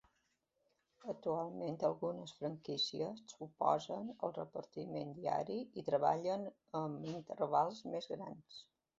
Actualment algunes franquícies s'oposen al repartiment diari i treballen amb intervals més grans.